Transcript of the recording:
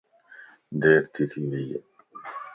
ديرٿي ويئي